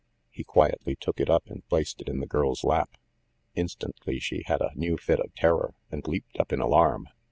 He quietly took it up and placed it in the girl's lap. Instantly she had a new fit of terror, and leaped up in alarm.